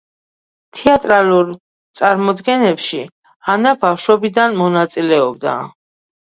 თეატრალურ წარმოდგენებში ანა ბავშვობიდან მონაწილეობდა.